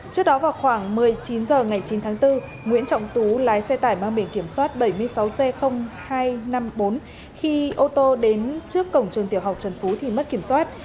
trước đó vào khoảng một mươi chín h ngày chín tháng bốn nguyễn trọng tú lái xe tải mang biển kiểm soát bảy mươi sáu c hai trăm năm mươi bốn khi ô tô đến trước cổng trường tiểu học trần phú thì mất kiểm soát